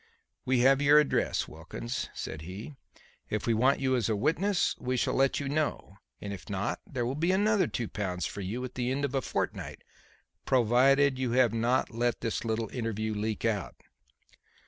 "We have your address, Wilkins," said he. "If we want you as a witness we shall let you know, and if not, there will be another two pounds for you at the end of a fortnight, provided you have not let this little interview leak out."